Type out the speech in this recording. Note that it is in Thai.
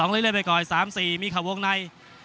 ๑๒เริ่มเริ่มไปก่อน๓๔มีเขาวงใน